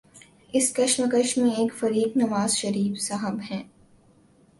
اس کشمکش میں ایک فریق نوازشریف صاحب ہیں